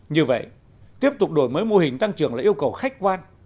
như vậy tiếp tục đổi mới mô hình tăng trưởng là yêu cầu khách quan